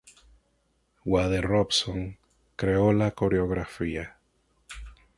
Wade Robson creó la coreografía.